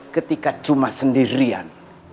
ketika cuma sendirian